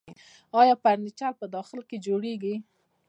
آیا فرنیچر په داخل کې جوړیږي؟